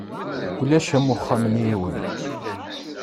Ulac am uxxam n yiwen.